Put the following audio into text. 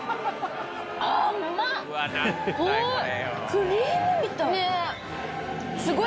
クリームみたい！